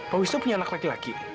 pak wisnu punya anak laki laki